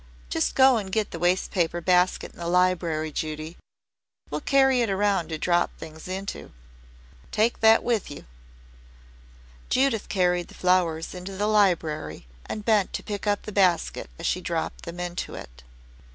Just go and get the wastepaper basket in the library, Judy. We'll carry it around to drop things into. Take that with you." Judith carried the flowers into the library and bent to pick up the basket as she dropped them into it.